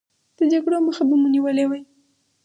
د جګړو مخه به مو نیولې وي.